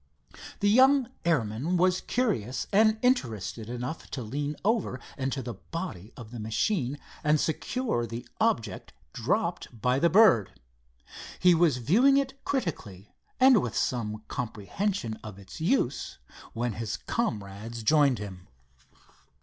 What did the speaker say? The young airman was curious and interested enough to lean over into the body of the machine and secure the object dropped by the bird. He was viewing it critically and with some comprehension of its use, when his comrades joined him.